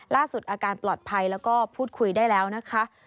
อาการปลอดภัยแล้วก็พูดคุยได้แล้วนะคะ